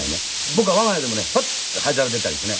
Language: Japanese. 僕は我が家でもねパッて灰皿出たりですね